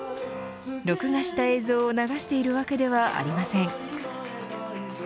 録画した映像を流しているわけではありません。